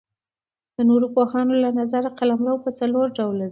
د نورو پوهانو له نظره قلمرو پر څلور ډوله دئ.